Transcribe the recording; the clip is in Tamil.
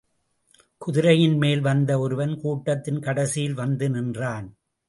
குதிரையின்மேல் வந்த ஒருவன் கூட்டத்தின் கடைசியில் வந்து நின்றான்.